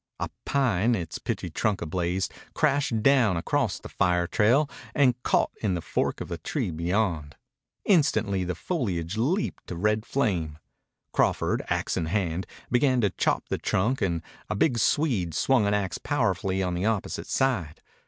A pine, its pitchy trunk ablaze, crashed down across the fire trail and caught in the fork of a tree beyond. Instantly the foliage leaped to red flame. Crawford, axe in hand, began to chop the trunk and a big Swede swung an axe powerfully on the opposite side.